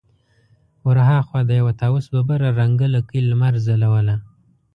ور هاخوا د يوه طاوس ببره رنګه لکۍ لمر ځلوله.